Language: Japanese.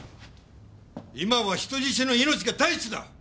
今は人質の命が第一だ！